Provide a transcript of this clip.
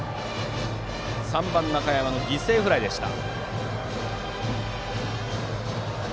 ３番、中山の犠牲フライでした。